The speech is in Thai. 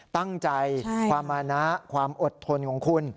ตั้งใจความมานะความอดทนของคุณ